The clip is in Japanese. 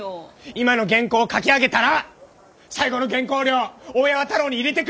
今の原稿書き上げたら最後の原稿料大八幡楼に入れてくる！